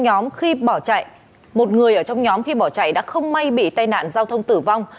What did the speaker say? giải quyết mâu thuẫn một người trong nhóm khi bỏ chạy đã không may bị tai nạn giao thông tử vong